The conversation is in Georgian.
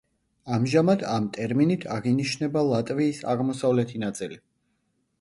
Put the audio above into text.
ამჟამად ამ ტერმინით აღინიშნება ლატვიის აღმოსავლეთი ნაწილი.